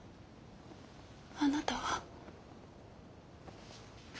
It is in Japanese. あなたは？